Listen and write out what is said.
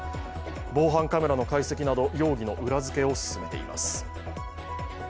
防犯カメラの解析など、容疑の裏付けを進めています。